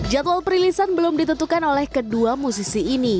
jadwal perilisan belum ditentukan oleh kedua musisi ini